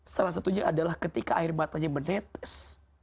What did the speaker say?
salah satunya adalah ketika air matanya menetes